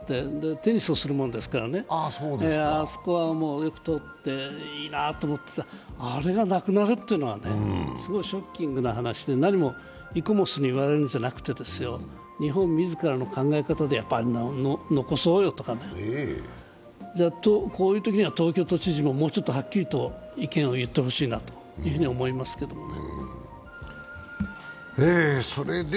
テニスをするもんですからね、あそこは通っていいなと思ってた、あれがなくなるっていうのはすごくショッキングな話で何もイコモスに言われるんじゃなくて日本自らの考え方で残そうよとかね。こういうときには東京都知事ももうちょっとはっきりと意見を言ってほしいと思いますけどね。